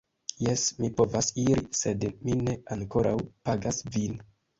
Jes, ni povas iri, sed mi ne ankoraŭ pagas vin